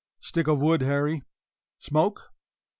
Stick of wood, Harry. Smoke?